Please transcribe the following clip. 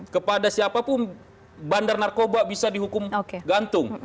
kepada siapapun bandar narkoba bisa dihukum gantung